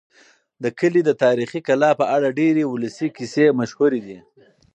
د کلي د تاریخي کلا په اړه ډېرې ولسي کیسې مشهورې دي.